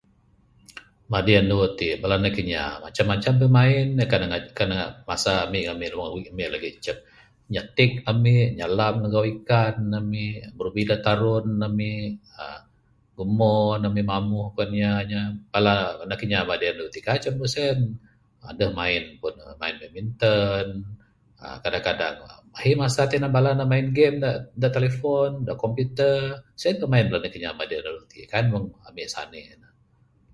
Madi andu tik, bala anak kinya macam macam pimain. Kan ne kan ne masa ami lagi icuk, nyatik ami, nyalam magau ikan amik, brubi da tarun amik uhh gumon ami, mamuh kuwan inyanya, Bala anak kinya madi andu tik kai ce mung sien. Aduh pun mai, main badminton. uhh Kadang kadang ahi masa tinan bala ne main game da da telefon, da komputer. Sien pimain bala nakinya madi andu tik. Kaik ne mung amik sanik ne.